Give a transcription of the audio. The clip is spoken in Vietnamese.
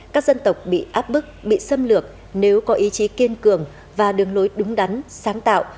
các dân tộc bị áp bức bị xâm lược nếu có ý chí kiên cường và đường lối đúng đắn sáng tạo